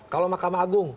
kalau mahkamah agung